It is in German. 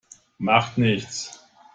Macht nichts.